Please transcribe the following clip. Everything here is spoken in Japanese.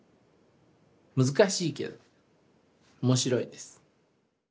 難しいけど面白いです。